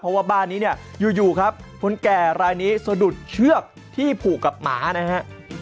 เพราะว่าบ้านนี้เนี่ยอยู่ครับคนแก่รายนี้สะดุดเชือกที่ผูกกับหมานะฮะ